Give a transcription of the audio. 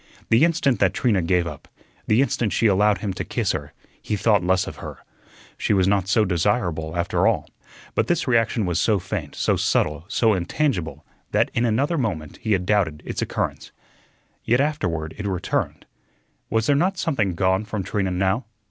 The instant that Trina gave up, the instant she allowed him to kiss her, he thought less of her. She was not so desirable, after all. But this reaction was so faint, so subtle, so intangible, that in another moment he had doubted its occurrence. Yet afterward it returned. Was there not something gone from Trina now?